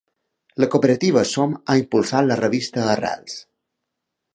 La cooperativa Som ha impulsat la revista Arrels.